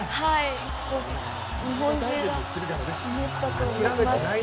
日本中が祈ったと思います。